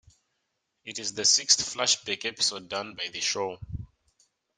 It is the sixth flashback episode done by the show.